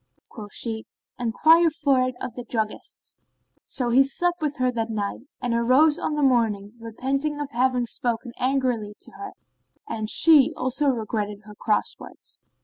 Quoth she, "Enquire for it of the druggists." So he slept with her that night and arose on the morrow, repenting of having spoken angrily to her; and she also regretted her cross words.